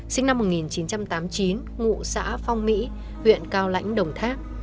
sinh năm một nghìn chín trăm tám mươi chín ngụ xã phong mỹ huyện cao lãnh đồng tháp